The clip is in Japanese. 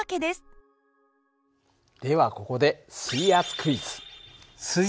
ではここで水圧クイズ？